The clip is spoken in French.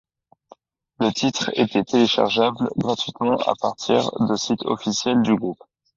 Le titre était téléchargeable gratuitement à partir de site officiel du groupe.